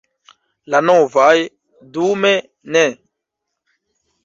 La novaj – dume ne.